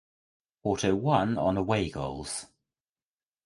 Porto won on away goals.